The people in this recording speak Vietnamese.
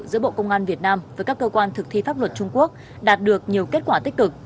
giữa bộ công an việt nam với các cơ quan thực thi pháp luật trung quốc đạt được nhiều kết quả tích cực